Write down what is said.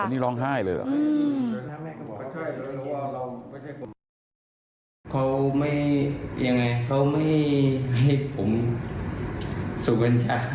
นี่ร้องไห้เลยเหรอ